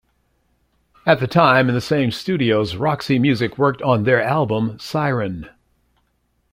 At the time, in the same studios, Roxy Music worked on their album "Siren".